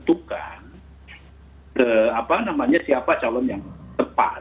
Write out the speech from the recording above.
tentu kami sudah mempersiapkan masing masing partai politik memiliki kemandiriannya sendiri untuk menentukan